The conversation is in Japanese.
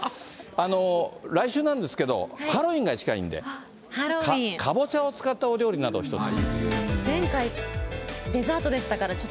来週なんですけど、ハロウィーンが近いので、かぼちゃを使ったお料理など、一つ。